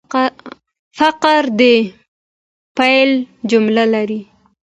فقره د پیل جمله لري.